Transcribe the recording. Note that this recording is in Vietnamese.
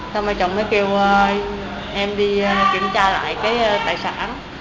xong rồi chồng mới kêu em đi kiểm tra lại cái tài sản